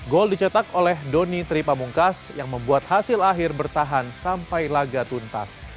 gol dicetak oleh doni tripamungkas yang membuat hasil akhir bertahan sampai laga tuntas